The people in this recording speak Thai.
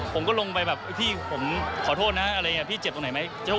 ผมก็ลงไปแบบพี่ผมขอโทษนะพี่เจ็บตรงไหนไหม